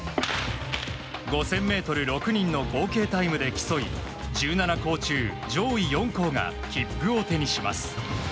５０００ｍ、６人の合計タイムで競い１７校中上位４校が切符を手にします。